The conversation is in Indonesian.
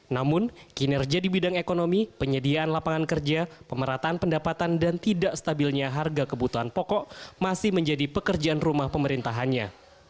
namun kinerja di bidang ekonomi penyediaan lapangan kerja pemerataan pendapatan dan tidak stabilnya harga kebutuhan pokok masih menjadi pekerjaan rumah pemerintahannya